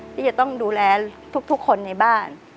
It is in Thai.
ที่จะต้องดูแลทุกคนในบ้าน